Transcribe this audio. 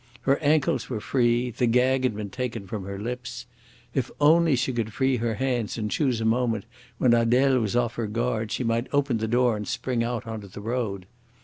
Her ankles were free, the gag had been taken from her lips. If only she could free her hands and choose a moment when Adele was off her guard she might open the door and spring out on to the road.